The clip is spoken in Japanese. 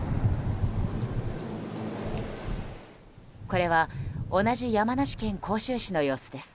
これは、同じ山梨県甲州市の様子です。